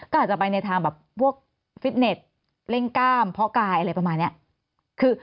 ก็อาจจะไปในทางแบบพวกฟิตเน็ตเร่งกล้ามเพาะกายอะไรประมาณนี้